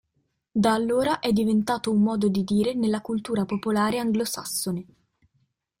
Da allora è diventato un modo di dire nella cultura popolare anglosassone.